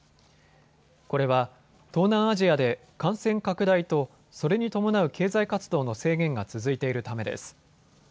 これは東南アジアで感染拡大とそれに伴う経済活動の制限が続いているためです。